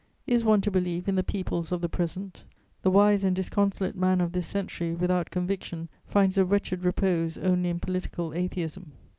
Is one to believe in the peoples of the present? The wise and disconsolate man of this century without conviction finds a wretched repose only in political atheism.